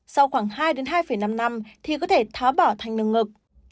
sau khoảng hai hai năm năm thì có thể tháo bỏ thanh nâng ngực